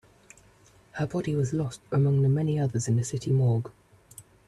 Her body was lost among the many others in the city morgue.